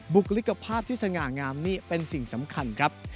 บุคลิกภาพที่สง่างามนี่เป็นสิ่งสำคัญครับ